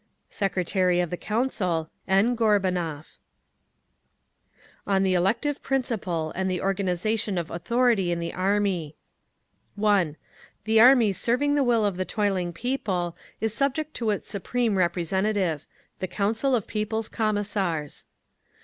Secretary of the Council, N. GORBUNOV. On the Elective Principle and the Organisation of Authority in the Army 1. The army serving the will of the toiling people is subject to its supreme representative—the Council of People's Commissars.